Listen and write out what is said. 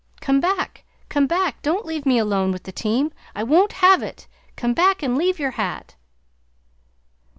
"Come back! Come back! Don't leave me alone with the team. I won't have it! Come back, and leave your hat!"